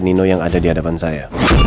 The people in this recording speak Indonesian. nino yang ada di hadapan saya